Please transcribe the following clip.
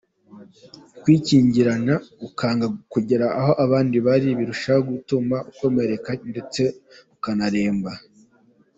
Kwikingirana ukanga kugera aho abandi bari birushaho gutuma ukomereka ndetse ukanaremba.